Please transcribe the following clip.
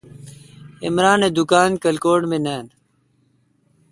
عمران اے° دکان کلکوٹ مے نان۔